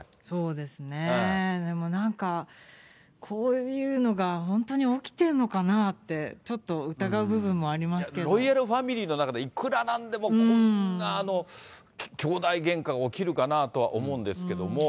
でもなんか、こういうのが本当に起きてるのかなって、ロイヤルファミリーの中で、いくらなんでもこんな兄弟げんかが起きるかなとは思うんですけれども。